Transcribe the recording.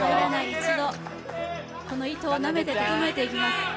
一度、この糸をなめて整えていきます。